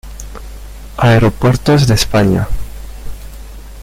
Aeropuertos de España